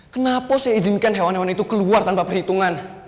kenapa saya izinkan hewan hewan itu keluar tanpa perhitungan